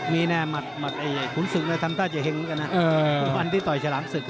มีแน่มัดไอ่ขุนศึกท่านต้าเจฮิงกันนะคุณพันธ์ที่ต่อยฉลามศึก